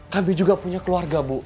kami juga punya keluarga bu